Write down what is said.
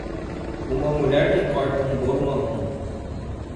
Uma mulher que corta um bolo marrom.